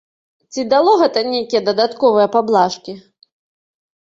Ці дало гэта нейкія дадатковыя паблажкі?